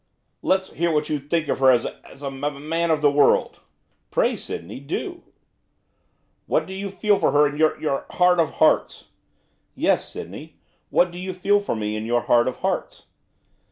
'Let's hear what you think of her as a as a m man of the world!' 'Pray, Sydney, do!' 'What you feel for her in your your heart of hearts!' 'Yes, Sydney, what do you feel for me in your heart of hearts?